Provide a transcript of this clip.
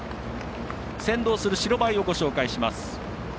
先導する白バイをご紹介します。